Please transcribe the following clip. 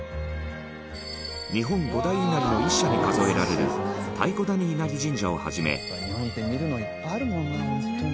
日本五大稲荷の一社に数えられる太鼓谷稲荷神社をはじめ田中：日本って、見るのいっぱいあるもんな、本当に。